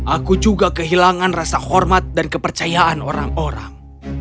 aku juga kehilangan rasa hormat dan kepercayaan orang orang